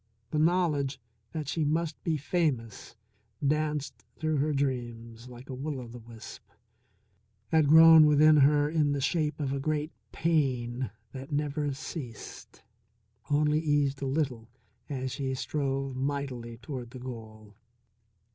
The knowledge that she must be famous danced through her dreams like a will o' the wisp; had grown within her in the shape of a great pain that never ceased; only eased a little as she strove mightily toward the goal.